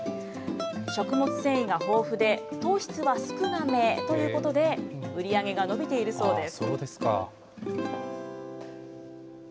食物繊維が豊富で、糖質は少なめということで、売り上げが伸びているそうです。